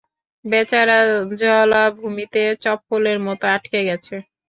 বেচারা জলাভূমিতে চপ্পলের মতো আটকে গেছে।